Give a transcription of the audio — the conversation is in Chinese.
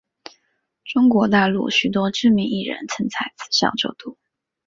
中国大陆许多知名艺人曾在此校就读。